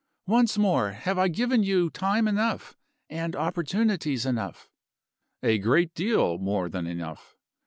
Once more, have I given you time enough, and opportunities enough?" "A great deal more than enough."